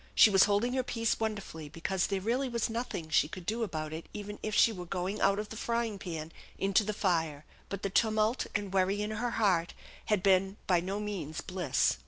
She was holding her peace wonderfully, because there really was nothing she could do about it even if she was going out of the frying pan into the fire; but the tumult and worry in her heart had been by no means bliss.